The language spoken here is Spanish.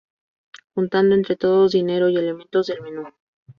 Juntando entre todos dinero y elementos del menú.